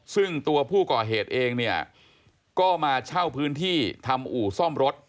ซึ่งตัวผู้ก่อเหตุเองเนี่ยก็มาเช่าพื้นที่ทำอู่ซ่อมรถ